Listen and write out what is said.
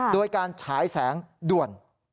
โดยการฉายแสงด่วน